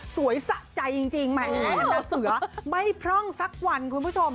สะใจจริงแหมอันดาเสือไม่พร่องสักวันคุณผู้ชม